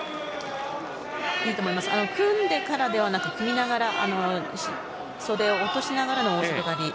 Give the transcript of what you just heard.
組んでからではなく組みながら袖を落としながら大外刈。